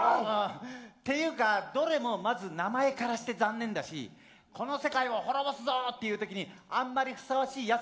っていうかどれもまず名前からしてざんねんだしこの世界を滅ぼすぞ！っていう時にあんまりふさわしいやつらじゃないと思う。